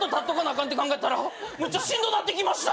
かんて考えたらむっちゃしんどなってきました。